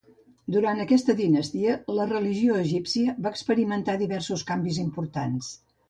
Durant aquesta dinastia, la religió egípcia va experimentar diversos canvis importants.